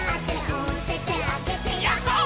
「おててあげてヤッホー」